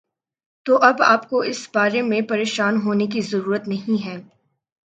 تو اب آ پ کو اس بارے میں پریشان ہونے کی ضرورت نہیں ہے